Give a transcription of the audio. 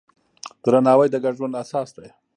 درناوی د ګډ ژوند اساس دی.